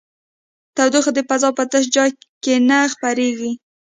تودوخه د فضا په تش ځای کې نه خپرېږي.